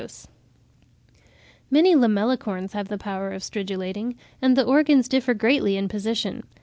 ] Many Lamellicorns have the power of stridulating, and the organs differ greatly in position.